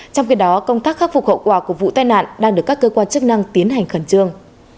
trong khi đó công tác khắc phục hậu quả của vụ tai nạn đang được các cơ quan chức năng tiến hành khẩn trương